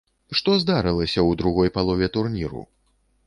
Што здарылася ў другой палове турніру?